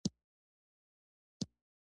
د بدخشان سیندونه د سترګو خوند زیاتوي.